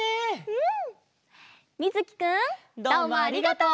うん。